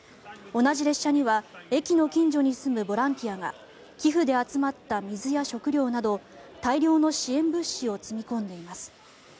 同じ列車には駅の近所に住むボランティアが寄付で集まった水や食料など大量の支援物資を積み込んでいます。